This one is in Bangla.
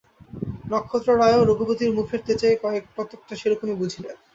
নক্ষত্ররায়ও রঘুপতির মুখের তেজে কতকটা সেইরকমই বুঝিলেন।